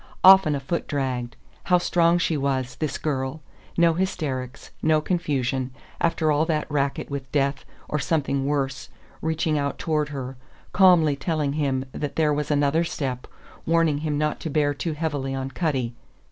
Often a foot dragged. How strong she was, this girl! No hysterics, no confusion, after all that racket, with death or something worse reaching out toward her; calmly telling him that there was another step, warning him not to bear too heavily on Cutty!